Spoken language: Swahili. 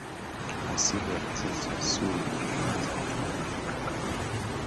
Asili ya kizazi cha Sui kilianza kutawala miaka ya